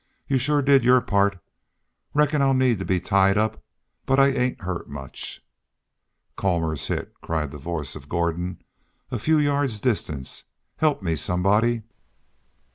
"Y'u shore did your part. Reckon I'll need to be tied up, but I ain't hurt much." "Colmor's hit," called the voice of Gordon, a few yards distant. "Help me, somebody!"